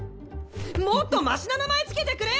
もっとマシな名前付けてくれよ！